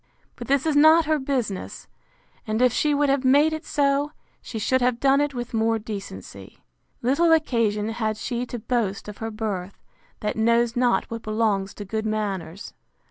—But this is not her business: And if she would have made it so, she should have done it with more decency. Little occasion had she to boast of her birth, that knows not what belongs to good manners.